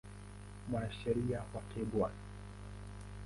Mwanasheria wake Bw.